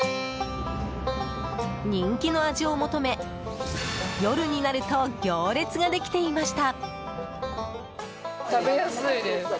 人気の味を求め、夜になると行列ができていました。